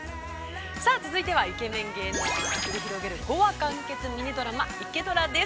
◆続いてはイケメン芸能人が繰り広げる、５話完結ミニドラマ、「イケドラ」です。